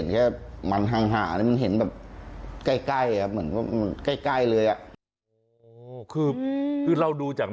คือเราดูจากนั้น